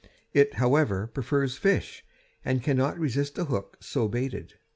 It, however, prefers fish, and cannot resist a hook so baited.